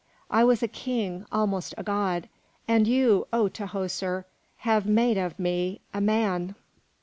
I was a king, almost a god, and you, O Tahoser, have made of me a man."